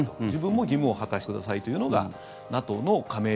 自分も、義務を果たしてくださいというのが